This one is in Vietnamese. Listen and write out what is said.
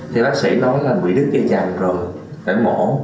thì bác sĩ nói là bị đứt dây dàn rồi phải mổ